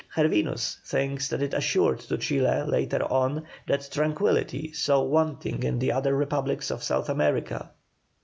Gervinus thinks that it assured to Chile, later on, that tranquillity so wanting in the other republics of South America.